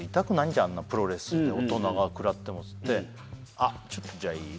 「あっちょっとじゃあいい？